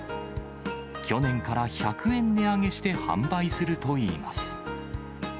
去年から１００円値上げして販売するといいます。